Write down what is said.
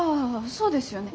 そうですよね